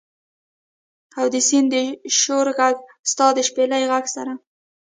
او د سیند د شور ږغ، ستا د شپیلۍ د ږغ سره